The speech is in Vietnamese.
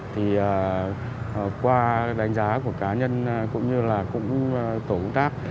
thì qua đánh giá của cá nhân cũng như là tổ quốc tác